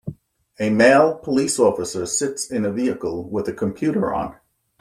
A male police officer sits in a vehicle with a computer on.